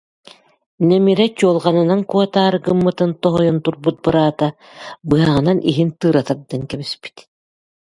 Нэмирэ чуолҕанынан куотаары гыммытын тоһуйан турбут быраата быһаҕынан иһин тыыра тардан кэбиспит